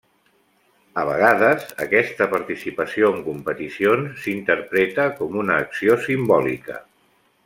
A vegades, aquesta participació en competicions s'interpreta com una acció simbòlica.